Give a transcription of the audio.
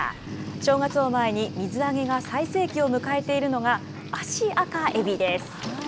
正月を前に、水揚げが最盛期を迎えているのが、アシアカエビです。